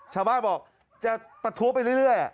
ชาวบ้านบอกจะประท้วงไปเรื่อย